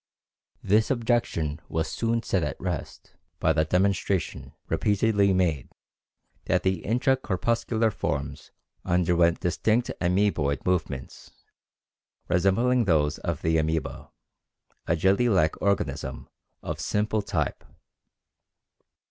This objection was soon set at rest by the demonstration, repeatedly made, that the intra corpuscular forms underwent distinct amoeboid movements [resembling those of the amoeba, a jelly like organism of simple type].